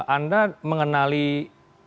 ada mengenali inisial